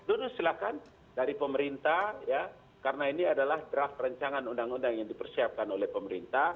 dulu silahkan dari pemerintah ya karena ini adalah draft rancangan undang undang yang dipersiapkan oleh pemerintah